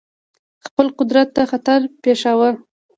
خپل قدرت ته خطر پېښاوه.